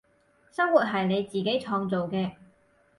生活係你自己創造嘅